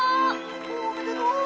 ・おめでとう！